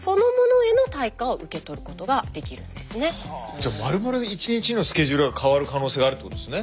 じゃまるまる一日のスケジュールが変わる可能性があるってことですね。